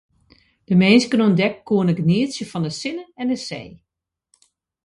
De minsken oan dek koene genietsje fan de sinne en de see.